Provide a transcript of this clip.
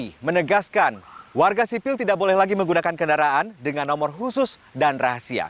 jokowi menegaskan warga sipil tidak boleh lagi menggunakan kendaraan dengan nomor khusus dan rahasia